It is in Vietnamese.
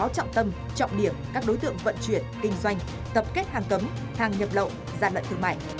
đang tồn tại nhiều kho hàng hiện tập kết hàng cấm hàng nhập lộ gian lận thương mại